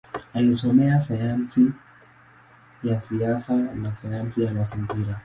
Alisoma sayansi ya siasa na sayansi ya mazingira.